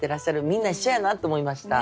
みんな一緒やなと思いました。